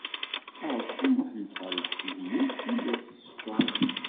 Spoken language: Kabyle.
Aṛeẓqi Muḥend Ṣaleḥ, yemmut ur d as-teččur.